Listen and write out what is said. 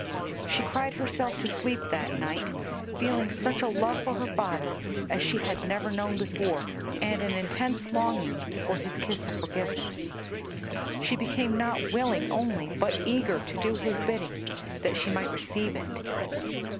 She cried herself to sleep that night, feeling such a love for her father as she had never known before, and an intense longing for his kiss of forgiveness. She became not willing only, but eager to do his bidding that she might receive it.